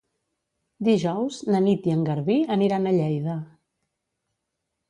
Dijous na Nit i en Garbí aniran a Lleida.